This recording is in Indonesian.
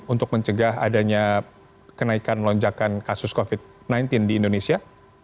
untuk mencegah adanya kenaikan lonjakan kasus covid sembilan belas di indonesia